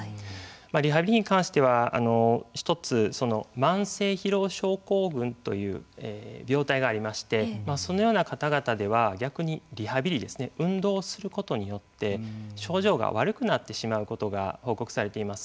リハビリに関しては一つ慢性疲労症候群という病態がありましてそのような方々では逆にリハビリ運動することによって症状が悪くなってしまうことが報告されています。